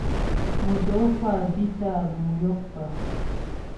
Motǒkwâ bi tâ guŋ yókpə.